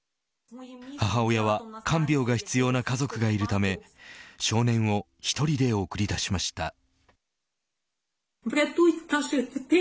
母親は看病が必要な家族がいるため少年を１人で送り出しました。